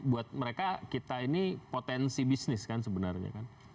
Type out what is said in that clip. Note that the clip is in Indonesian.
buat mereka kita ini potensi bisnis kan sebenarnya kan